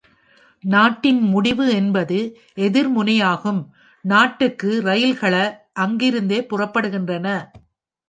"நாட்டின் முடிவு" என்பது எதிர் முனையாகும், நாட்டுக்கு ரயில்கள அங்கிருந்தே புறப்படுகின்றன.